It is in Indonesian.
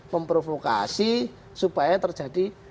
memprovokasi supaya terjadi